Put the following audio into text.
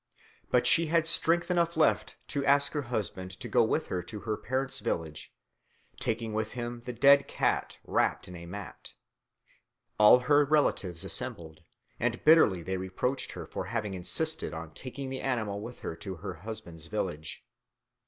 But she had strength enough left to ask her husband to go with her to her parents' village, taking with him the dead cat wrapt up in a mat. All her relatives assembled, and bitterly they reproached her for having insisted on taking the animal with her to her husband's village.